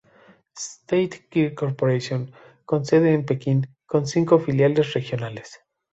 State Grid Corporation, con sede en Pekín con cinco filiales regionales.